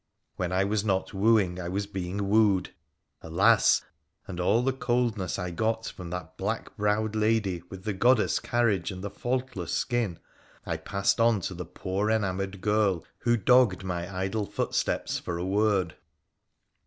When I was not wooing I was being wooed. Alas! and all the coldness I got from that black browed lady with the goddess carriage and the faultless IJ2 WONDERFUL ADVENTURES OP skin I passed on to the poor, enamoured girl who dogged my idle footsteps for a word.